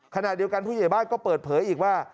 ขณะเดียวกันผู้ใหญ่บ้านก็เปิดเผยอีกว่า